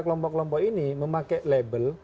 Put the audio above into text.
kelompok kelompok ini memakai label